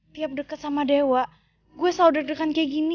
tiap dekat sama dewa gue selalu deg degan kayak gini